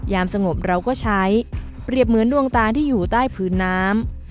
สงบเราก็ใช้เปรียบเหมือนดวงตาที่อยู่ใต้พื้นน้ำ